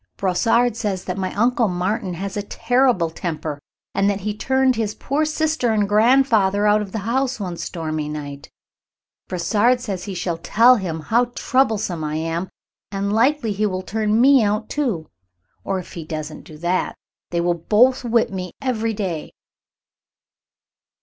Brossard says that my Uncle Martin has a terrible temper, and that he turned his poor sister and my grandfather out of the house one stormy might. Brossard says he shall tell him how troublesome I am, and likely he will turn me out, too. Or, if he doesn't do that, they will both whip me every day."